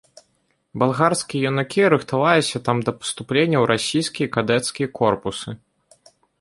Балгарскія юнакі рыхтаваліся там да паступлення ў расійскія кадэцкія корпусы.